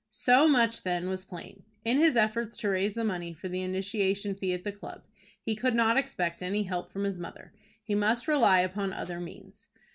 So much, then, was plain, in his efforts to raise the money for the initiation fee at the club, he could not expect any help from his mother. He must rely upon other means.